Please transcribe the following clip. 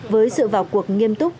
với sự vào cuộc nghiêm túc